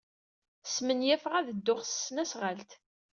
Smenyafeɣ ad dduɣ s tesnasɣalt.